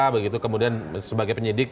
begitu kemudian sebagai penyidik